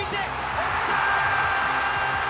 落ちた！